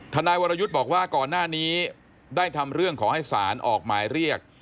นายวรยุทธ์บอกว่าก่อนหน้านี้ได้ทำเรื่องขอให้ศาลออกหมายเรียก